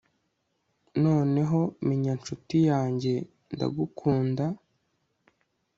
Noneho menya nshuti yanjye ndagukunda